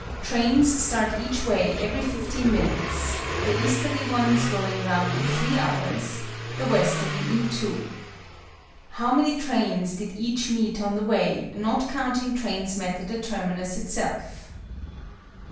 Trains start each way every 15 minutes, the easterly ones going round in 3 hours, the westerly in 2. How many trains did each meet on the way, not counting trains met at the terminus itself?"